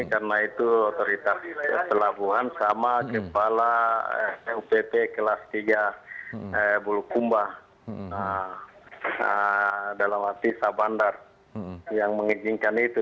karena itu otoritas pelabuhan sama kepala sdp kelas tiga bulu kumbah dalam arti sabandar yang mengizinkan itu